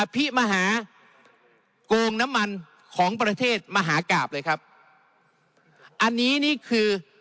พี่มหาโกงน้ำมันของประเทศมหากราบเลยครับอันนี้นี่คือ